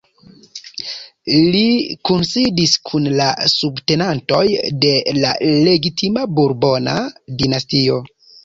Li kunsidis kun la subtenantoj de la legitima burbona dinastio.